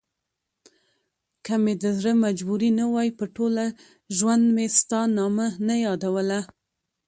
که مې دزړه مجبوري نه وای په ټوله ژوندمي ستا نامه نه يادوله